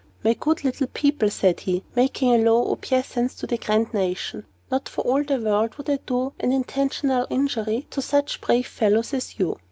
"My good little people," said he, making a low obeisance to the grand nation, "not for all the world would I do an intentional injury to such brave fellows as you!